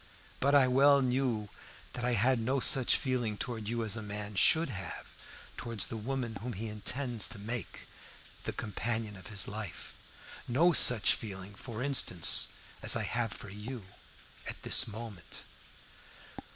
But I well knew that I had no such feeling towards you as a man should have towards the woman whom he intends to make the companion of his life no such feeling, for instance, as I have for you at this moment.